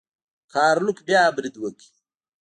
ګارلوک بیا برید وکړ.